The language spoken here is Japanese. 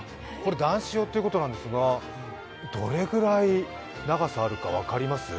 男子用ということなんですが、どれぐらい長さがあるか分かります？